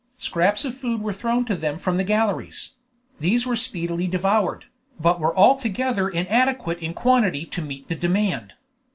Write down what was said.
Scraps of food were thrown to them from the galleries; these were speedily devoured, but were altogether inadequate in quantity to meet the demand.